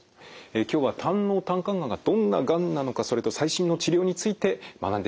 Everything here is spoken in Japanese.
今日は胆のう・胆管がんがどんながんなのかそれと最新の治療について学んでいきます。